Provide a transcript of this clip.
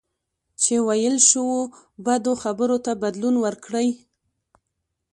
چې ویل شوو بدو خبرو ته بدلون ورکړئ.